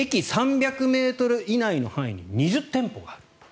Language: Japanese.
駅３００ｍ以内の範囲に２０店舗ある。